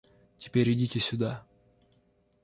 Теперь идите сюда.